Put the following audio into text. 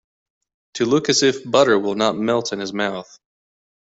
To look as if butter will not melt in his mouth.